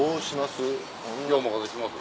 お任せします。